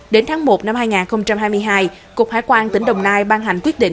đến tháng một năm hai nghìn hai mươi hai cục hải quan tỉnh đồng nai ban hành quyết định